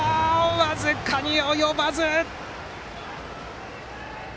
僅かに及ばず！